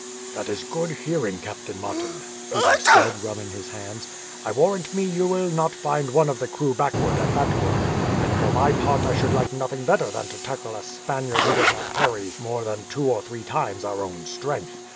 "That is good hearing, Captain Martin," Peters said, rubbing his hands. "I warrant me you will not find one of the crew backward at that work, and for my part I should like nothing better than to tackle a Spaniard who does not carry more than two or three times our own strength.